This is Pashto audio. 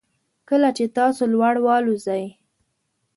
کله چې تاسو لوړ والوځئ